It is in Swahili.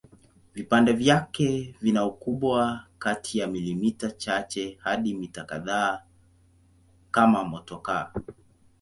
Vipande vyake vina ukubwa kati ya milimita chache hadi mita kadhaa kama motokaa.